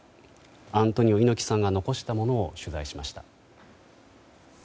アントニオ猪木さんが残したものを取材しました。